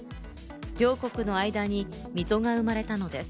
両国の間に溝が生まれたのです。